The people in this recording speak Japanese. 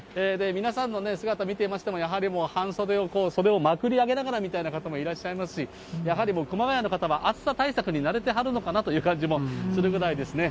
皆さんの姿見ていましても、やはりもう、半袖の袖をまくり上げながらのような方もいらっしゃいますし、やはり熊谷の方は暑さ対策に慣れてはるのかなという感じもするぐらいですね。